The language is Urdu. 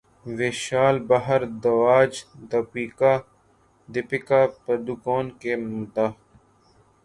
ویشال بھردواج دپیکا پڈوکون کے مداح